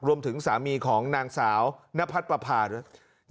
รวมถึงสามีของนางสาวนพัดปภาดูนะครับ